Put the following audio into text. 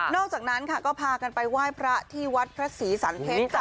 อกจากนั้นค่ะก็พากันไปไหว้พระที่วัดพระศรีสันเพชรจ้